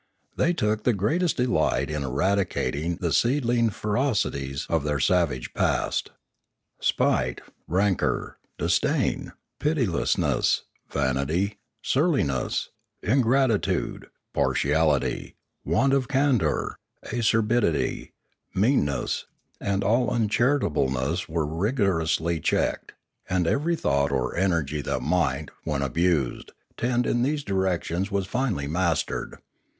They took the greatest delight in eradicating the seedling ferocities of their savage past. Spite, rancour, disdain, pitilessness, vanity, surliness, ingratitude, partiality, want of can dour, acerbity, meanness, and all uncharitableness were rigorously checked, and every thought or energy that Ethics 557 might, when abused, tend in these directions was finally mastered.